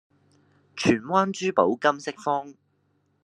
荃灣珠寶金飾坊